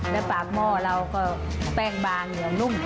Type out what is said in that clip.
และปากหม้อเราก็แป้งบางเหนียวนุ่ม